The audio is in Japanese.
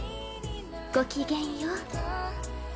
ごきげんよう。